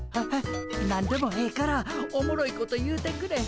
何でもええからおもろいこと言うてくれへん？